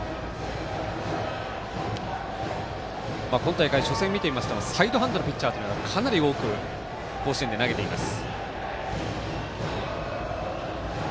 今大会、初戦見てみますとサイドハンドのピッチャーがかなり多く甲子園で投げています。